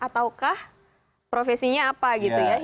ataukah profesinya apa gitu ya